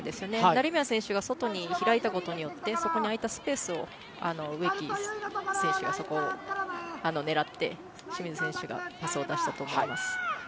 成宮選手が外に開いたことで空いたスペースを植木選手がそこを狙って清水選手がパスを出したと思います。